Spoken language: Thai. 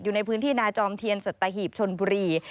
อยู่ในพื้นที่นาจอมเทียนสัตหีบชนบุรี